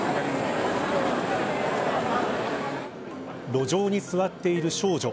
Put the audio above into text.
路上に座っている少女。